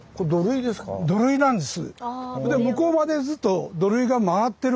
土塁なんです。